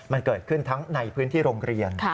มันเกิดขึ้นทั้งในพื้นที่โรงเรียน